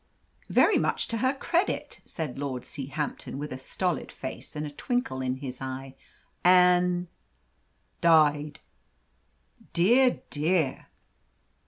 "Very much to her credit," said Lord Seahampton, with a stolid face and a twinkle in his eye. "And " "Died." "Dear, dear!"